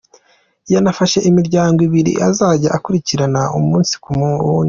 Yanafashe imiryango ibiri azajya akurikirana umunsi ku wundi.